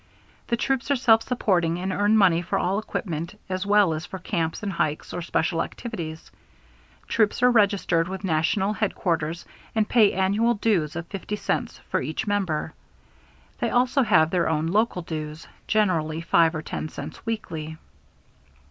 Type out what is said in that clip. The troops are self supporting and earn money for all equipment as well as for camps and hikes or special activities. Troops are registered with national headquarters and pay annual dues of 50 cents for each member. They also have their own local dues, generally 5 or 10 cents weekly.